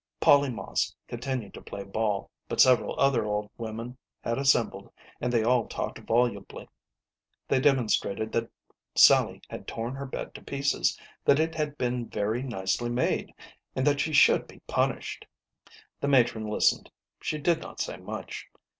Polly Moss continued to play ball, but several other old women had assembled, and they all talked volubly. They demonstrated that Sally had torn her bed to pieces, that it had been very nicely made, and that she should be pun ished. The matron listened ; she did not say much.